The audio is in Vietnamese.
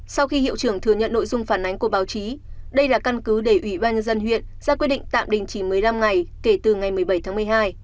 sau khi hiệu trưởng thừa nhận nội dung phản ánh của báo chí đây là căn cứ để ủy ban nhân dân huyện ra quyết định tạm đình chỉ một mươi năm ngày kể từ ngày một mươi bảy tháng một mươi hai